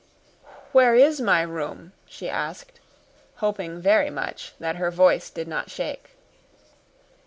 "Where is my room?" she asked, hoping very much that her voice did not shake.